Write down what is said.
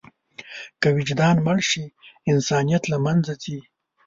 که وجدان مړ شي، انسانیت له منځه ځي.